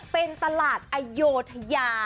เป็นตลาดอโยธยา